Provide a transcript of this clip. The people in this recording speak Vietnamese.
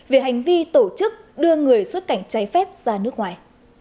về hành vi tổ chức đưa người xuất cảnh trái phép ra nước ngoài